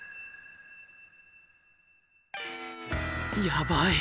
やばい！